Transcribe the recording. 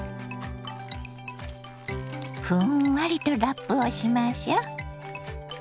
ふんわりとラップをしましょ。